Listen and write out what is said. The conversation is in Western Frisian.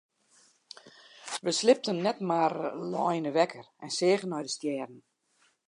Wy sliepten net mar leine wekker en seagen nei de stjerren.